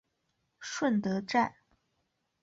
顺德站